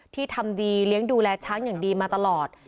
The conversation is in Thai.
ทำดีเลี้ยงดูแลช้างอย่างดีมาตลอด